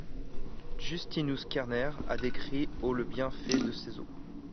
Justinus Kerner a décrit au le bienfait de ses eaux.